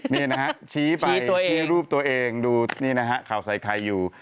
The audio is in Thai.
นี่นะฮะชี้ไปภีร์รูปตัวเองนี่นะฮะเขาใส่ใครอยู่